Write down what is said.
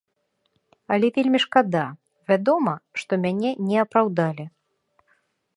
Але вельмі шкада, вядома, што мяне не апраўдалі.